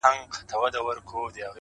دا د کهف د اصحابو د سپي خپل دی,